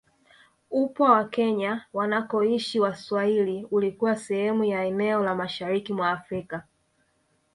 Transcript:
Upwa wa Kenya wanakoishi Waswahili ulikuwa sehemu ya eneo la mashariki mwa Afrika